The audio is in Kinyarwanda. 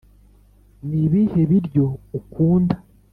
ni ibihe biryo ukunda?